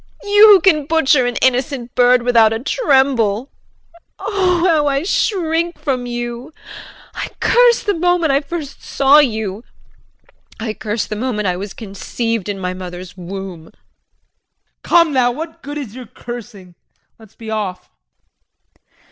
You who can butcher an innocent bird without a tremble. Oh, how I shrink from you. I curse the moment I first saw you. I curse the moment I was conceived in my mother's womb. JEAN. Come now! What good is your cursing, let's be off.